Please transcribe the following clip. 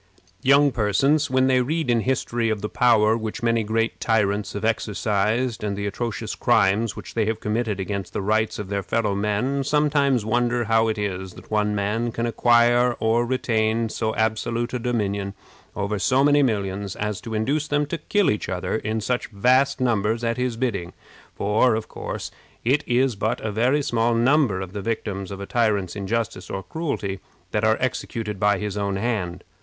Young persons, when they read in history of the power which many great tyrants have exercised, and the atrocious crimes which they have committed against the rights of their fellow men, sometimes wonder how it is that one man can acquire or retain so absolute a dominion over so many millions as to induce them to kill each other in such vast numbers at his bidding; for, of course, it is but a very small number of the victims of a tyrant's injustice or cruelty that are executed by his own hand.